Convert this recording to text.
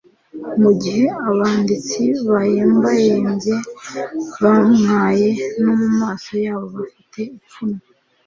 mu gihe abanditsi bayembayembye bamwaye, no mu maso yabo bafite ipfunwe.